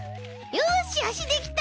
よしあしできた！